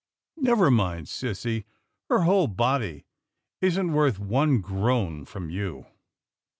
" Never mind, sissy. Her whole body isn't worth one groan from you."